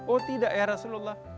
oh tidak ya rasulullah